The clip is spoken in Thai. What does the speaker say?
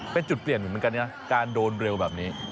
เป็นจุดเปลี่ยนเหมือนกันนะการโดนเร็วแบบนี้